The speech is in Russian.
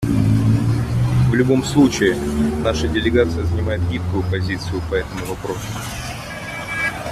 В любом случае, наша делегация занимает гибкую позицию по этому вопросу.